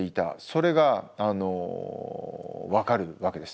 それが分かるわけです。